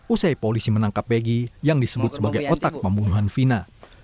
usai polisi menangkap begi yang disebut sebagai otak pembunuhan vina